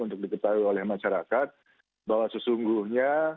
untuk diketahui oleh masyarakat bahwa sesungguhnya